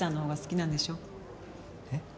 えっ？